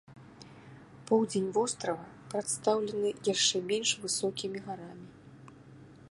Поўдзень вострава прадстаўлены яшчэ менш высокімі гарамі.